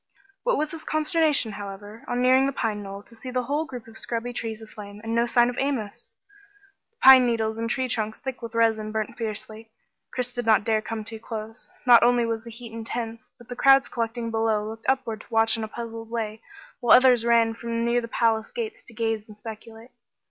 What was his consternation, however, on nearing the pine knoll, to see the whole group of scrubby trees aflame, and no sign of Amos! The pine needles and tree trunks thick with resin burnt fiercely. Chris did not dare to come too close. Not only was the heat intense but the crowds collecting below looked upward to watch in a puzzled way, while others ran from near the palace gates to gaze and speculate.